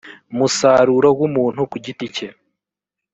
musaruro w umuntu ku giti cye